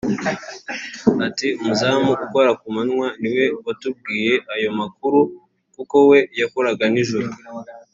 Ati “Umuzamu ukora ku manywa niwe watubwiye ayo makuru kuko we yakoraga nijoro